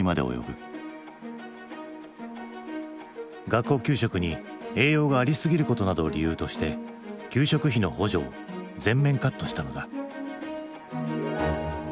学校給食に栄養がありすぎることなどを理由として給食費の補助を全面カットしたのだ。